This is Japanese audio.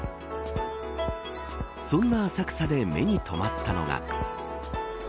そんな浅草で目に留まったのが。